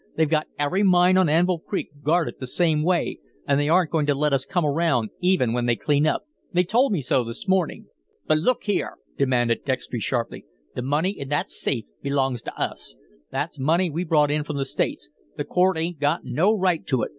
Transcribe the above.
They've got every mine on Anvil Creek guarded the same way, and they aren't going to let us come around even when they clean up. They told me so this morning." "But, look here," demanded Dextry, sharply, "the money in that safe belongs to us. That's money we brought in from the States. The court 'ain't got no right to it.